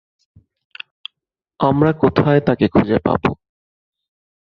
আমরা কোথায় তাকে খুঁজে পাব?